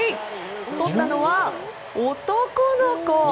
とったのは男の子。